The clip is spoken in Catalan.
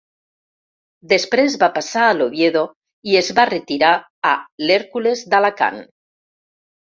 Després va passar a l'Oviedo i es va retirar a l'Hèrcules d'Alacant.